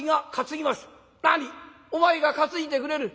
「何お前が担いでくれる？